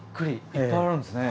いっぱいあるんですね。